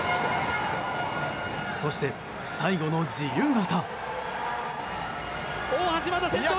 そして、最後の自由形。